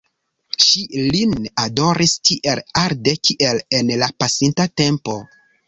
Ŝi lin adoris tiel arde kiel en la pasinta tempo.